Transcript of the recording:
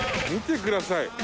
見てください。